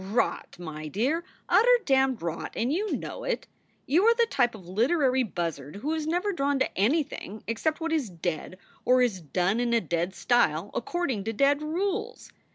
"Rot, my dear! utter damned rot, and you know it. You are the type of literary buzzard who is never drawn to any thing except what is dead or is done in a dead style according to dead rules.